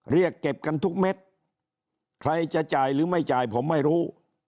เรียกเก็บกันทุกเม็ดใครจะจ่ายหรือไม่จ่ายผมไม่รู้